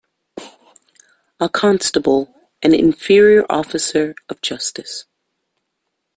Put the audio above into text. A constable an inferior officer of justice.